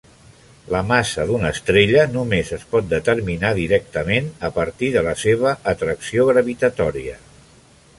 La massa d'una estrella només es pot determinar directament a partir de la seva atracció gravitatòria.